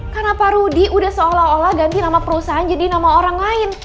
kenapa rudy udah seolah olah ganti nama perusahaan jadi nama orang lain